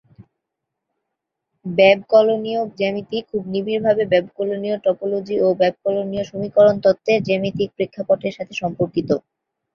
ব্যবকলনীয় জ্যামিতি খুব নিবিড়ভাবে ব্যবকলনীয় টপোলজি ও ব্যবকলনীয় সমীকরণ তত্ত্বের জ্যামিতিক প্রেক্ষাপটের সাথে সম্পর্কিত।